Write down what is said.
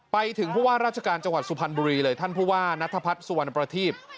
ไปถึงผู้ว่าราชการจังหวัดสุพรรณบุรีเลยท่านผู้ว่านัทพัฒน์สุวรรณประทีป